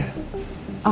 ah yaudah ya